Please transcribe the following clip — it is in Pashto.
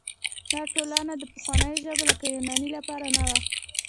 دا ټولنه د پخوانیو ژبو لکه یوناني لپاره نه وه.